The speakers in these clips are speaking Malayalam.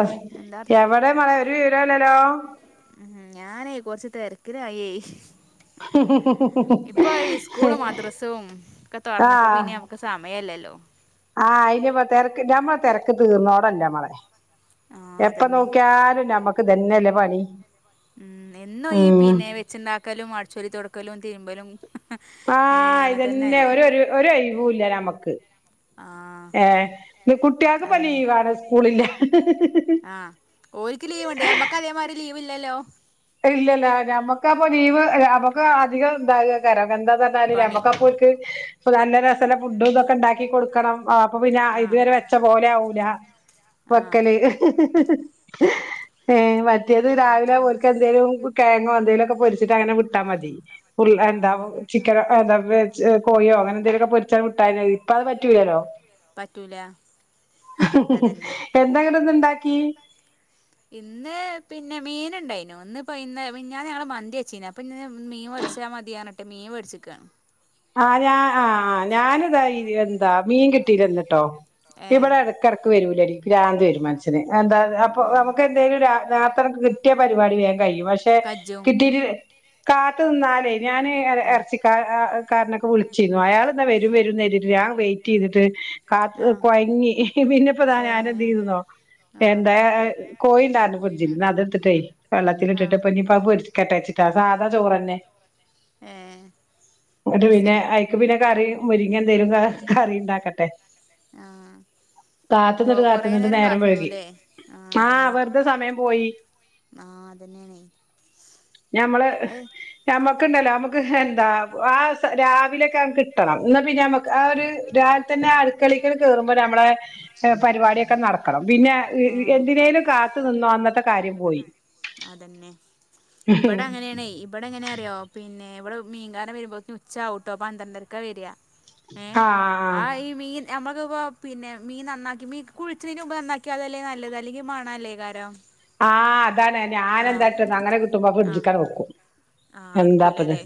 ആഹ് എന്താ വർത്താനം എവിടെമാരെ ഒരു വിവരല്ലല്ലോ ഉ ഞാനേ കൊറച്ച് തിരക്കിലായി ഇപ്പൊ ഈ സ്കൂളും മദ്രസയും ഒക്കെ തുറന്നപ്പോ ആഹ് പിന്നെ നമുക്ക് സമയല്ലല്ലോ ആഹ് അയിന് തിരക്ക് ഞമ്മളെ തിരക്ക് തീർന്നോടല്ല മകളെ ആഹ് എപ്പ അതന്നെ നോക്കിയാലും നമ്മുക്ക് തന്നെയല്ലേ പണി ഉം എന്നും ഈ ഉം പിന്നെ വെച്ചുണ്ടാക്കലും അടിച്ചു വാരി തുടക്കലും തിരുമ്പലും ഏഹ് ആഹ് അങ്ങനെ ഇതന്നെ തന്നെയല്ലേ ഒരു ഒരു ഒരു ഒഴിവൂല്ല നമക്ക് ആഹ് ഏഹ് കുട്ടികൾക്ക് ഇപ്പോൾ അതന്നെ ലീവാണ് സ്കൂളില്ല ഹ ഹ ഒരിക്ക് ലീവുണ്ട് നമ്മക്ക് അതേമാതിരി ലീവ് ഇല്ലല്ലോ ഇല്ലല്ല ഞമ്മക്ക അപ്പൊ ലീവ് നമുക്ക് അധികം ഉണ്ടാകുക കരം എന്താഞ്ഞാല് പണി നമുക്കപ്പോക്ക് എല്ലാ നേരത്തിനും ഫുഡ് ഇതൊക്കെ ഉണ്ടാക്കി കൊടുക്കണം ആ അപ്പൊ പിന്നെ ആഹ് ഇതുവരെ വെച്ച പോലെ ആവൂല ആഹ് വെക്കല് ഏ മറ്റേത് രാവിലെ പോലെ കിഴങ്ങോ എന്തെങ്കലുമൊക്കെ പൊരിച്ചിട്ട് അങ്ങനെ വിട്ടാൽ മതി എന്താ ആഹ് ചിക്കനോ എന്താ കോഴിയോ അങ്ങനെ എന്തെിലുമൊക്കെ പൊരിച്ചാൽ വിട്ട ഇപ്പ അത് പറ്റൂലല്ലോ പറ്റൂല അതന്നെ എന്താങ്ങട ഒന്ന ഇണ്ടാക്കി ഇന്ന് പിന്നെ മീൻ ഉണ്ടായിന ഒന്ന് ഇപ്പ ഇന്ന് മിനഞാന്നു ഞങ്ങള് മന്തി അച്ചീന അപ്പൊ പിന്നെ മീൻ മടിച്ചാൽ മതിയാണട്ടെ മീൻ മേടിച്ചിക്കാണ് ആരാ ആഹ് ഞാൻ ആ ഞാനിതാ എന്താ മീൻ കിട്ടിയിരന്നിട്ടോ ഏ ഇവിടെ ഇടക്കിടക്ക് വരൂല ഗ്രാന് വരും മനസ്സന് എന്താ അപ്പൊ ഉം നമുക്ക് എന്തേലും രാ രാത്രനമക്ക് കിട്ടിയ പരിപാടി വ്യൻ കഴിയും പക്ഷെ കജ്ജും കിട്ടീട്ട് കാത്തു നിന്നാലേ ഞാന് ആഹ് ഇറച്ചിക്ക രനൊക്കെ വിളിച്ചിരുന്നു അയാൾ എന്നാ വരും വരും നേരിട്ട് ഞൻ വെയിറ്റ് ചെയ്തിട്ട് കാത്ത ആഹ് കൊഴങ്ങി പിന്നപ്പ ദാ ഏ ഞാൻ എന്ത് ചെയ്‌തൊന്നോ ആഹ് എന്താ കോയിയുണ്ടായിരുന്നു പൊരിച്ചത് പിന്ന അതെടുത്തിട്ടേ വെള്ളത്തില ആഹ് ഇട്ടിട്ട് ഇ ഇീ പ കെട്ടയച്ചിട്ടാ സാധാ ചോറ്ന്നെ എഏ എന്നട്ട് പിന്നെ അഐക്ക് പിന്നെ കറി മുരിങ്ങ എന്തേലും കറി ഉണ്ടാക്കട്ടെ ആഹ കാത്തന്നിട്ട് കാത്തന്നിട്ട് നേരം വെയ്കി ആഹ് ആഹ അതന്നെ വെറുതെ സമയം പോയി ആഹ് അതന്നെയാണെ ഞമ്മള് ഞമ്മക്കുണ്ടല്ലോ നമ്മുക്ക് എന്താ രാവിലൊക്കങ്‌ കിട്ടണം. ന്ന പിന്നെ ഞമ്മ ആ ഒരു രാവിതന്നെ അടക്കളെക്കങ്ങട് കേറുമ്പോ ഞമ്മളെ പരിപാടിയൊക്കെ നടക്കണം. പിന്നെ ആഹ് എന്തിനേലും കാത്തു നിന്നോ അന്നത്തെ കാര്യം പോയി. അതന്നെ, ഇവിടങ്ങനെണേ, ഇവിടെ എങ്ങനെ അറിയോ? പിന്നെ ഇവിടെമീൻകാരൻ വരുമ്പോക്ക് ഉച്ചാവുട്ടോ പന്ത്രണ്ടരക്കവരാ. ഏ, ആഹ് ആ, ഈ, മീൻ ഞമ്മ ക്ക്, പിന്നെ മീ നന്നാക്കി. മീ കുളിച്ചീന് മുമ്പ് നന്നാക്കിയായല്ലേ നല്ലത് അല്ലെങ്കി മണ അല്ലേ കരം. ആഹ് അതാണ് ഞാനന്താട്ടന്നോ അങ്ങനെ കിട്ടുമ്പോ ആ ഫ്രിഡ്ജിക്കങ്ങട് വെക്കും. ആ എന്താപ്പത്. എടുക്കൂലല്ലേ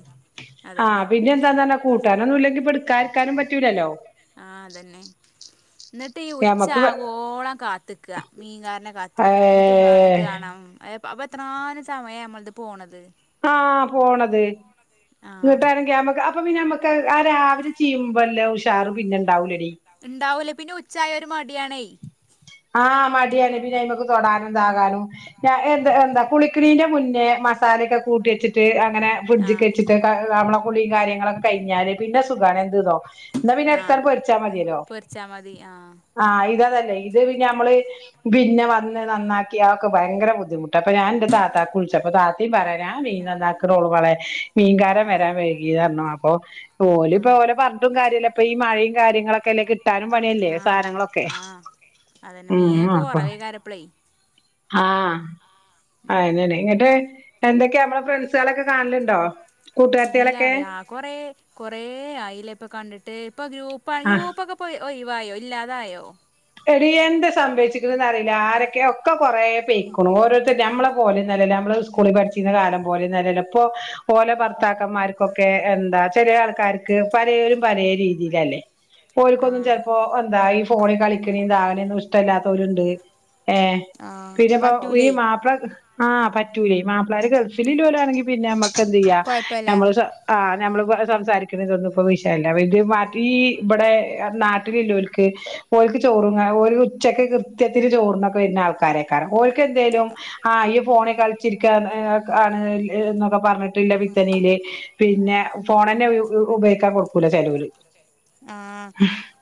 ആഹ് അതന്നെ പിന്നേന്താന്നറഞ്ഞ കൂട്ടാരോന്നും ഇല്ലെങ്കി പെട് കരിക്കാനും പറ്റൂലല്ലോ. ന്നിട്ട് ഈ ഞമ്മക്ക് വ ഉച്ചാവുവോളം കാത്തിക്ക, മീൻകാരനെ ഏ കാത്തിക്ക. എന്നിട്ട്, എന്നിട്ട് വാണം അപ്പൊ എത്രാനും സമയ നമ്മളത് പോണത്. ആഹ് പോണത്, ആ ഇങ്‌ട്ടാണേങ്കി, ഞമ്മ, ആ അപ്പൊ, പിന്നെ, ഞമ്മുക്ക്, ആ രാവിലെ ചെയ്യുമ്പല്ലേ, ഉഷാറ്, പിന്നെ ഉണ്ടാവൂലടി. ഇണ്ടാവൂലേ, പിന്നെ, ഉച്ചയ, ഒരു മടിയണേ. ആഹ് മടിയാണ്. പിന്നെഅയ്മ്മക്ക്, തൊടാനും, താകാനും, ഞ, എ, എന്താ കുളിക്കണീന്റെ മുന്നേ മസാല ക്ക കൂട്ടി വെച്ചിട്ട് അങ്ങനെ ഫ്രഡ്ജ്ക്ക് ആഹ് വെച്ചിട്ട്, ക, നമ്മളെ കുളി കാര്യങ്ങളൊക്കെ കഴിഞ്ഞാല് പിന്നെ സുഖാണ്. എന്ത്ന്നൊ എന്നാ പിന്നെ ആഹ് എടുത്താട് പൊരിച്ചാ മതില്ലോ. പൊരിച്ചാ മതി ആഹ് ആ ഇരതല്ലേ ഇത് പിന്നെ, ഞമ്മള്, പിന്നെ, വന്ന്, നന്നാക്കി, ആക്കെ ഭയങ്കര ബുദ്ധിമുട്ട. അപ്പൊ, ഞാൻ എന്റെ താത്താക്ക് വിളിച്ചപ്പോ താത്തി പറഞാൻ മീൻ നന്നാളക്കണോള്ളൂ മളെ മീൻകാരൻ, ആഹ് വരാം, വൈകിയതരണം, അപ്പൊ, ഓല്, ഇപ്പോ, ആഹ് ഓലപഞ്ഞിട്ടും കാര്യല്ല. ഇപ്പ, ഈ, മയെയും കാര്യങ്ങളൊക്കെ പിന്നെ കിട്ടാനും പണിയല്ലേ. ആഹ് സാനങ്ങളൊക്കെ. ആഹ് അതന്നെ മീനൊക്കെ കുറവേ കാരപ്പളെ ആഹ് അയ്നന്നെ ഇങ്ങട്ട് എന്തൊക്കെയ, നമ്മളേ ഫ്രണ്ട്സുകളൊക്കെ കാണലുണ്ടോ? കൂട്ടുകാരത്തികളൊക്കെ ഇല്ലാട, ആ കൊറേ, കൊറേ, ആയില്ലേപ്പൊ കണ്ടിട്ട്. ഇപ്പൊ ഗ്രൂപ്പ, ആ ഗ്രൂപ്പക്കപ്പ ഒയി വായോ? ഇല്ലാതായോ? എട, എന്ത, സംഭവിച്ചിക്കണെന്ന്റിയില്ല. ആരൊക്കെ, ഒക്കെ, കൊറെ, പെയിക്കണും. ഓരോരുത്തർ, നമ്മളെ പോലെന്നും, അല്ലല്ലോ. നമ്മള് സ്കൂളി പഠിച്ചിന്ന കാലം പോലെ ഒന്നുല്ലല്ലോ. ഇപ്പോ ഓല ഭർത്താക്കന്മാർക്കൊക്കെ എന്താ ചെലെ ആൾ ക്കർക്ക് പലെരും പലേരീതിയിലല്ലേ. ഓല്ക്കൊന്നും, ആഹ് ചെലപ്പോ, എന്താ, ഈ ഫോണി, കളിക്കണേന്താകണേന്നും, ഇഷ്ടല്ലാത്തോരുണ്ട്. ഏഹ് ആഹ് പിന്നെപ്പോ, ഈ, പറ്റൂലേ മാപ്ല ആ പറ്റുലെ. മാപ്പളാര് ഗൾഫിലില്ലൊരാണെങ്കി, പിന്നെ, ഞമ്മക്കെന്തെയ്യ, കൊഴപ്പല്ല ഞമ്മള്, ആ ഞമ്മള് പ സംസാരിക്കണതൊന്നും ഇപ്പ വിഷയല്ല ഇത് മതീ ഇവിടെ നാട്ടിലില്ലോക്ക് ഓൽക്ക് ചോറുംങ്ങ ഓര് ഉച്ചക്ക് കൃത്യത്തിന് ചോറുണ്ണക്ക വരുന്ന ആൾക്കാര ഓര്ക്കെന്തേലും ആ ഈ കളിച്ചിരിക്കാൻ ആണ് എന്നൊക്കെ പറഞ്ഞിട്ടില്ല വിത്തനയില് പിന്നെ ഫോണന്നെ ഉപയോഗിക്കാൻ കൊടുക്കൂല ചെലവര് ആഹ്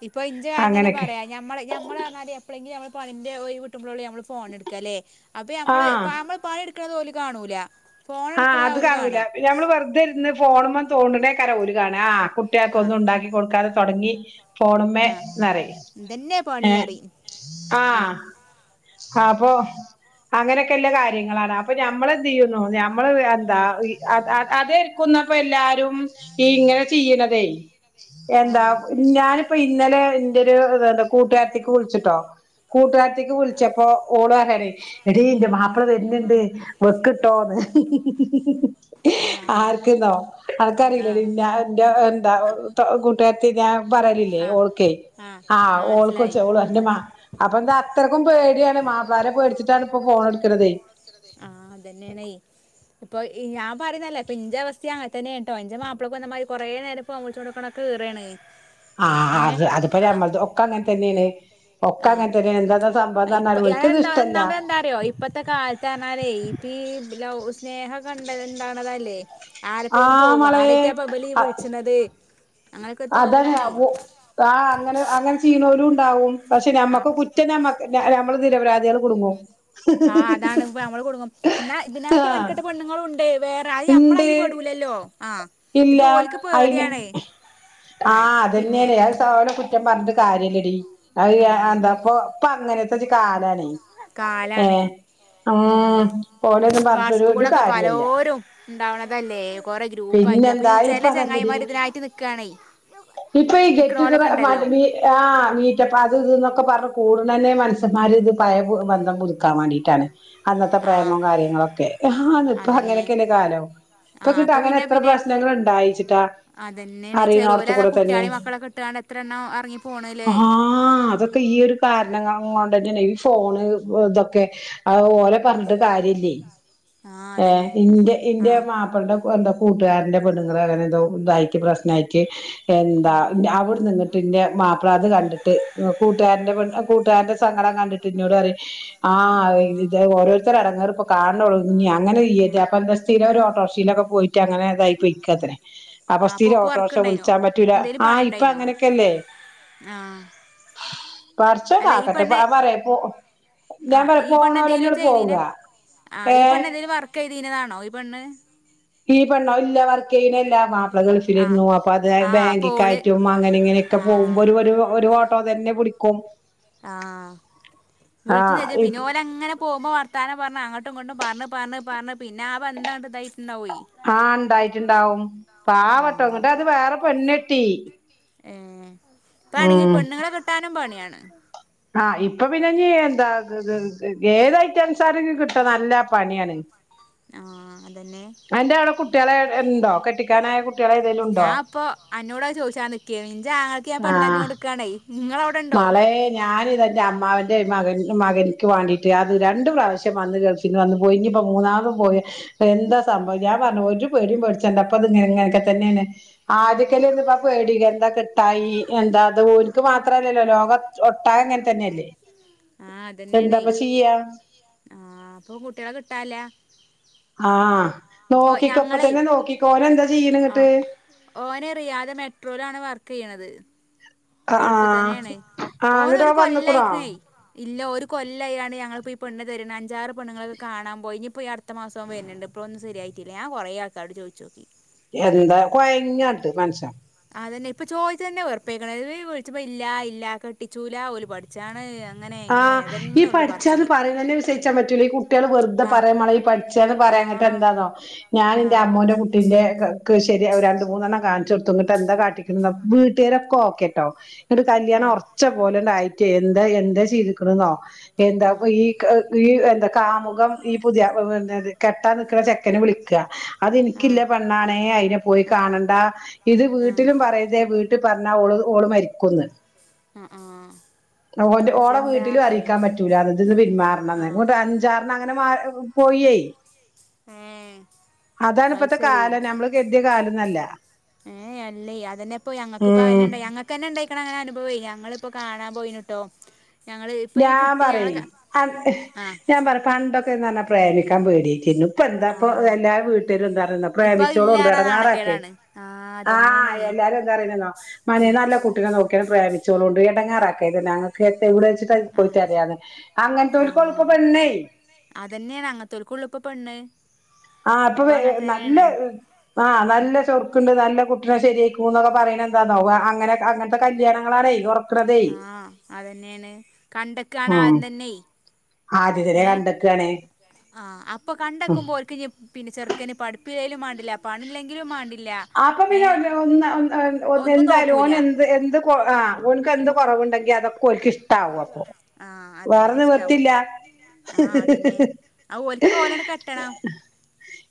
ഇപ്പൊ ഇജ് ആദ്യതന്നെ അങ്ങനെയൊക്കെ പറയാ ഞമ്മള് ഞമ്മളർഞ്ഞാല് എപ്പളങ്കിലും നമ്മളെ പണിന്റെ ഒഴിവ് കിട്ടുമ്പോളൊള്ളു ന നമ്മള് ഫോണെടുക്കാല്ലേ. അപ്പൊഞമ്മളെ ആഹ് നമ്മള് പണി എടുക്ക്ണത് ഓല് കാണൂല. ഫോൺ ഹാ എടുക്കണതാ അത് ഓല് കാണൂല കാണാ ഞമ്മള് വെറുതെ ഇരുന്ന് ഫോണുമ്മ തോണ്ടണേ കര ആഹ് കുട്ടിയാക്കൊന്നും ഉണ്ടാക്കി കൊടുക്കാതെ തൊടങ്ങി ഫോൺമേ ആ എന്നറയും ഇതന്നെ പണി ഏ അറിയും ആ ആഹ് അപ്പ അങ്ങനെയൊക്കെല്ല കാര്യങ്ങളാണ് അപ്പൊ ഞമ്മള് എന്ത് ചെയ്യോന്നോ നമ്മള് എന്താ ഉം അതരിക്കുന്നപ്പോ എല്ലാരും ഈ ഇങ്ങനെ ചെയ്യണതേ ആ എന്താ ഞാനിപ്പ ഇന്നലെ ന്റൊരു കൂട്ടുകാരത്തിക്ക് വിളിച്ചിട്ടോ കൂട്ടുകാരത്തിക്ക് വിളിച്ചപ്പോ ഓള് എടി ന്റെ മാപ്പിള വരുന്നുണ്ട് വെക്കിട്ടോന്ന്. ആ ആർക്കെന്നോ ആ അടക്കറിയില്ലന്ന എന്റെ എന്താ കുട്ടത്തി ഞാൻ പറരലില്ലേ ആ ഓൾക്ക ആ ആഹ് ആ മനസ്സിലായി ഓക്കച്ച അ അപ്പൊ എന്താ അത്രക്കും പേടിയാണ് മാപ്പിളാര പേടിച്ചിട്ടാണ് ഇപ്പ ഫോണ എടുക്കുന്നത് ആഹ അതന്നെയണ ഇപ്പൊ ഞാൻ പറുന്നല്ല ഇപ്പ ഇന്റെ അവസ്ഥ അങ്ങെ തന്നെ കേട്ടോ എന്റെ മാപ്പിളക്കെന്നമാതി കുറേ നേരം ഫോൺ വിളിച്ചോണ്ട് ക്കണത് കേറാണ് ആ അ അത്പല നമ്മൾ ഒക്കെ അങ്ങനെ തന്നെയാണ് ഒക്കെ അങ്ങനെ തന്നെയാണ് എന്താ ആഹ സംഭവംന്ന് ഇപ്പ പറഞ്ഞാല് ഞൻ ഓൽക്കത് എന്താ ഇഷ്ടല്ല നമ്മ എന്താറിയോ ഇപ്പത്തെ കാലത്ത് ഇത് ഇപ്പ ലവ് സ്നേഹ കണ്ട എന്താണതല്ലേ ആരപ്പേൽ ആഹ് പോവും മളെ ആരക്കെയാ പബലി വിളിച്ചന്നത് അതന്നെ അ ആ അങ്ങനെ അങ്ങനെ ചെയ്യുന്നോലും ഉണ്ടാവും പക്ഷെ നമ്മക്ക് ആഹ് കുറ്റം നമ്മക്ക് നമ്മള് നിരപരാധികൾ കുടുങ്ങും ആഹ് അതാണ് ഇപ്പ നമ്മള് കൊടുങ്ങും എന്നാ ഇതിനായിട്ട് ആഹ് മെനക്കെട്ട പെണ്ണങ്ങളുണ്ട് വേറെ അത് നമ്മള ഇണ്ട് അതിൽ പെടൂലല്ലോ ആഹ് ഇല്ല ഇത് ഓൽക്ക് അയിന് പേടിയാണേ ആഹ് ആഹ അതന്നെയ പിന്നെ അത് സല കുറ്റം പറഞ്ഞിട്ട് കാര്യല്ലടി അ ആഹ് എന്താപ്പ അങ്ങനെ കാലാണ് കാലാണേ ഏഹ് ഉം ഓലെയൊന്നും പറഞ്ഞിട്ടൊരു വാട്സപ്പ് ഒരു കൂടെക്കെ കാര്യല്ല പലോരും ഉണ്ടാവണ അതല്ലേ കൊറെ ഗ്രൂപ്പ ആയിട്ട് അപ്പൊ ഈ പിന്നെന്താ ഇപ്പ ചെല അതല്ലടി ചെങ്ങായിമാർ ഇതിനായിട്ട് നിക്കാണേ ഇപ്പൊ ഈ ഗേറ്റുഗേദർ നിക്കണോലൊക്കെ മ ഉണ്ടല്ലോ ആ മീറ്റപ്പ അത് ഇത്ന്നൊക്കെ പറഞ്ഞ കൂടതനെ മനസ്സ്യന്മാര് ഇത് പയ ബന്ധം പുതുക്കാൻ വേണ്ടിയിട്ടാണ് അന്നത്തെ ആഹ് പ്രേമോ കാര്യങ്ങളൊക്കെ അപ്പ അതന്നെ അങ്ങനെയൊക്കെല്ലെ കാലം ഇപ്പൊ ആഹ് അപ്പൊ അങ്ങനെ പിന്നെ എത്ര പ്രശ്നങ്ങൾ ഉണ്ടായിച്ചിട്ടാ തന്നെയെ അറിയണോടത്ത് ചേലോലത കൂടെ കുട്ടികളി മക്കളെട്ടാണ്ട് എത്ര എണ്ണം എറങ്ങി പോക ആ അതൊക്കെ ഈ ഒരു കാരണ കൊണ്ട്ന്നെയന്നെ ഈ ഫോണ് ഇതൊക്കെ അത് ഓല പറഞ്ഞിട്ട് കാര്യല്ലേ ആഹ് അതന്നെ ഇന്റെ ഇന്റെ ആഹ് മാപ്പിളടെ എന്താ കൂട്ടുകാരന്റെ പെണ്ണുങ്ങള് അങ്ങനെ എതോ ഇതായി പ്രശ്നമായിട്ട് എന്താ ആഹ് അവിടെ നിങ്ങ ട്ടന്റെ മാപ്പ്ളാദ് കണ്ടിട്ട് കൂട്ടുകാരന്റെ കൂട്ടുകാരന്റെ സങ്കടം കണ്ടിട്ട് ഇന്നോട് പറി ഉം ആഹ ഇ ഓരോരുത്തരടെ അടങ്ങാറ ഇപ്പൊ കാണള്ളൂ ഇ അങ്ങനെ അപ്പ എന്ത സ്ഥിരം ഒരു ഓട്ടോറിക്ഷയിലൊക്കെ പോയിട്ട് അങ്ങനെതായിപൊയ്ക്കത്രെ ആഹ് അപ്പൊ ഓക്ക് വർക്ക് ഇണ്ടായിനോ എന്തേലും ഇപ്പ അങ്ങനെയൊക്കെല്ലേ ആ പടച്ചോൻ കാക്കട്ടെ പറയാ പോ ഞാൻ ആഹ് പറയാ പോണൊരു എന്നെ പോവുക ആ ഈ പെണ് എന്തെങ്കില വർ ചെയ്തിനതാണോ ഈ പെണ് ഈ പെണ്ണോ എല്ല വർക്കല്ല മാപ്പള ആഹ് ഗൾഫിലിരുന്നു അപ്പൊ അത് ആഹ് അപ്പൊ ഓള് ബാങ്കിക്കായിറ്റും അങ്ങനെഇങ്ങനെ ഒക്കെ ആഹ് പോകുമ്പോ ഒരു ഒരു ഓട്ടോ തന്നെ പിടിക്കും ആഹ് വിളിച്ചു ആഹ് തല്ല പിന്നെ ഇപ് ഓലെ അങ്ങനെ പോകുമ്പോ വർ താനം പറഞ് അങ്ങട്ടും ഇങ്ങോട്ടുംപറഞ്ഞു പറഞ്ഞു പറഞ്ഞഞ്ഞ് പിന്നെ ആ ബന്ധം ഇ ആഹ് ഉണ്ടായിട്ടുണ്ടാവും പാവട്ട ആഹ് ഇങ്ങിട്ട് അത് വേറെ പെണ്ണട്ടി ഏ ഇപ്പേണെങ്കിൽ പെണ്ണുങ്ങളെ കിട്ടാനും പണിയാണ് ആഹ് ഇപ്പൊ പിന്നെ ഞ് എന്താ ഏതായിട്ട അനുസാരും കിട്ട നല്ല പണിയാണ് ആഹ അതിന്റെ അവിടെ കുട്ടികളെ ഇണ്ടോ കെട്ടിക്കാനായ കു ഞാൻപ്പോ അ എന്നോട് അത് ചോദിച്ചാ നിക്കേനി ഇന്റെ അങ്ങളക്ക് ഞാൻ ആഹ് പണ്ണറിഞ്ഞോടുക്കാണ മളെ ഞാന ഇതെന്റെ അമ്മാവൻ അ മകൻ മകനിക്ക് വേണ്ടിട്ട് അത് രണ്ടണ്ട് പ്രാവശ്യം വന്ന് ഗൾഫിന്ന് വന്ന് പോയി ഇനിപ്പോ മൂന്നാമതും പോയ എന്താ സംഭവം ഞാൻ പറഞ്ഞു ഒരു പേടിയും പഠിച്ചണ്ട്പ്പൊ അത് ഇങ്ങനൊക്കെ തന്നെയാണ് ആദ്യക്കല് [inaudible] പേടി എന്താ കിട്ടായി എന്താ അത് ഓൽക്ക് മാത്രല്ലല്ലോ ലോകം ഒട്ടാകെങ്ങനെ തന്നല്ലേ ആ അതെന്നെണേ ആ പ്പോ കുട്ട്യാളെ കിട്ടാല്ല ആ നോക്കിക്കൊ പ്പത്തെന്നെ നോക്കിക്കോ ഓനെന്താ ചെയ്യ്ണ് ന്ന്ട്ട് ഓന് റിയാദ് മെട്രോലാണ് വർക്ക് ചെയ്യണത് ആഹ് ഗൾഫിൽ ത്തെന്നെണ് ആഹ് ആഹ് ഇങ്ങട്ട് ഓനൊരു ഓൻ വന്ന്ക്ക്ണോ കൊല്ലായ്ക്ക്ണേ ഇല്ലൊരു കൊല്ലായാണ്ട് ഞങ്ങളിപ്പോ ഈ പെണ്ണ് തരീണ് അഞ്ചാറ് പെണ്ണുങ്ങളെക്കെ കാണാൻ പോയി ഇനിയിപ്പോ അടുത്തമാസം ഓൻ വെര്ണ് ണ്ട് പ്പൊ ഒന്ന് ശരിയായി കിട്ടില്ല ഞാൻ കൊറെ ആൾക്കാരോട് ചോയ്ച്ചോക്കി എന്താ കൊയ്ഞ്ഞാട്ട് മൻഷ്യൻ അതെന്നെ ഇപ്പ ചോയ്ച്ചെന്നെ വെറുപ്പായിക്ക്ണ് ഇവര് വിളിച്ചുമ്പോ ഇല്ല ഇല്ല കെട്ടിച്ചൂല ഓല് പഠിച്ചാണ് അങ്ങനെ ആ എങ്ങനെ ഈ അതന്നെ ഉള്ളു പഠിച്ചാന്ന് പറച്ചില് പറയുന്നന്നെ വിശ്വസിച്ചാൻ പറ്റൂല ഈ കുട്ട്യാള് വെറുതെ പ്പാ പറയാ മളെ ഈ പഠിച്ചന്ന് ആ പറയാ എന്നിട്ട് എന്താന്നോ ഞാൻ ആ ആ ന്റെ അമ്മോന്റെ കുട്ടീന്റെ ക്ക് അത് ശെരിയാവൂല രണ്ട് മൂന്നെണ്ണം കാണിച്ചു കൊടുത്തു ന്ന്ട്ടെന്താ കാട്ടിക്ക്ണ്ന്നോ വീട്ടാരൊക്കെ ഓക്കെ ട്ടോ ആ ന്ന്ട്ട്കല്യാണം ആ ഒറച്ചപോലെ ണ്ടായിറ്റേ എന്താ എന്താ ചെയ്ത്ക്ക്ന്നോ എന്താപ്പം ഈ ഈ എന്താ കാമുകം ഈ പുതിയ കെട്ടാൻ നിക്കണ ചെക്കനെ വിളിക്കാ ആ അത്എനിക്കില്ല പെണ്ണാണെ അയിനെ പോയി ആ ആ കാണണ്ടാ ഇത് വീട്ടിലും പറയരുതേ വീ വീട്ടി പറഞ്ഞാ ഓള് ഓള് മരിക്കുന്ന് ആഹ് ആഹ് ഓന്റെ ഓളെ വീട്ടിലും അറിയിക്കാൻ പറ്റൂലാന്ന് ഇതീന്ന് ആ പിന്മാറണന്ന് അങ്ങോട്ട് അഞ്ചാറെണ്ണം അങ്ങനെ മാറി പോയിയേ മ് അതാണ് ഇപ്പത്തെ കാലം നമ്മള് കെട്ടിയ കാലൊന്നുല്ല ഏഹ് അല്ലേ അതെന്നയാ ഇപ്പം ഞങ്ങക്കും ഇപ്പോ ഉം അയ്നണ്ടായെ ഞങ്ങക്ക് തന്നെ ഇണ്ടായിക്കണ അങ്ങനെ അനുഭവമേ ഞ ഞങ്ങളിപ്പോ കാണാൻ പോയിനിട്ടോ ഞാൻ പറയും അ ആ ഞാൻ പറയും പണ്ടൊക്കെന്നു പറഞ്ഞാ പ്രേമിക്കാൻ പേടിയിട്ടിരുന്നു ഇപ്പ എന്താപ്പോ ആ എല്ലാ വീട്ടിലും എന്താപറയന്നേ ഇപ്പൊ അത് പ്രേമിച്ചോളു ഇല്ല കൊണ്ട് പറഞ്ഞാൽ നാണക്കേടാണ് എടങ്ങാറാക്കരുത് ആ അതന്നെയാണേ ആഹ് എല്ലാരും എന്താ പറയന്നെന്നോ അന്യ ഉം. നാട്ടിലെ കുട്ടീനെ നോക്ക പ്രേമിച്ചോളു കൊണ്ട് എടങ്ങാറാക്കരുത് ഞങ്ങക്കൊക്കെ ഇവിടെച്ച് ആ പോയി തരാന്ന് അങ്ങനത്തെ ആ ഒരു കൊഴപ്പവും വരിന്നെ ഇപ്പ പെണ്ണ് ആഹ് ഇപ്പൊ അങ്ങനെ നല്ല തന്നെയാണ് ആഹ് നല്ല ചൊറുക്കുണ്ട് നല്ല കു എല്ലാം ശരിയായിക്കും എന്നൊക്കെ പറയണ എന്താന്നോ ക അങ്ങനെ അങ്ങനത്തെ കല്യാണങ്ങളാണേ ഒറ ആഹ് അതന്നെയാണ് കണ്ട ഉം ആരതിനെ കണ്ട്ക്കാണേ ആഹ് അപ്പൊ കണ്ടേക്കുമ്പോ ഓര്ക്കിനി പിന്നെ ചെറുക്കന് പഠിപ്പില്ലെലും മേണ്ടില്ല പണി ഇല്ലേലും മേണ്ടില ആപ്പോ പിന്നെ [unintelligible] ഒന്നും എന്തായാലും നോക്കൂല ഓന് എന്ത് എന്ത് കൊ ആഹ് ഓന്ക്ക് എന്ത് കുറവുണ്ടെങ്കി അതൊക്കെ ഓല്ക്ക് ഇഷ്ടാവും അപ്പോ വേറെ നിവർത്തിയില്ല ആഹ് അതന്നെ ഓൽക്ക് ഓലന്നെ കെട്ടണം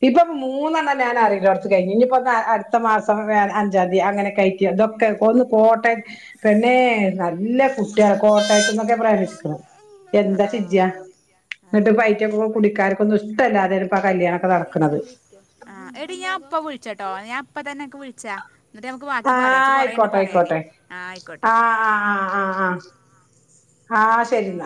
ഇപ്പോ മൂന്നെണ്ണം ഞാൻ അറിയിന്നോടത്തു കഴിഞ്ഞു ഇനിയിപ്പോ അടുത്ത മാസം അഞ്ചാം തീയാ അങ്ങനെ കഴിക്കും അങ്ങനൊക്ക്യാട്ട് ഇതൊക്കെ ഒന്ന് പോട്ടെ പെണേ നല്ല കുട്ട്യേള് കോട്ടയത്ത്ന്നൊക്കെ പ്രമിച്ചേക്കണ് എന്താ ആ ആ ചെയ്യ എന്നിട്ട് ബൈക്ക് അതന്നെയാണ് കൂ കുടിക്കാനൊക്കെ ന്ന് ഇഷ്ടല്ലാതെണ് ഇപ്പോ കല്യാണൊക്കെ നടക്കുന്നത് ഇപ്പം വിളിച്ചട്ടോ ഞാൻ ഇപ്പ തന്നെ അൻക്ക് വിള്ച്ച ആ ആയിക്കോട്ടെ ആയിക്കോട്ടെ ആ ആയിക്കോട്ടെ ആഹ് ആഹ് ആഹ് ആ ശെരിന്ന